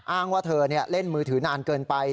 อ้างว่าเธอเล่นมือถือนานเกินไป